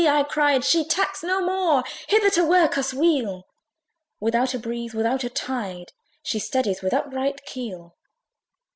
(I cried) she tacks no more! Hither to work us weal; Without a breeze, without a tide, She steadies with upright keel!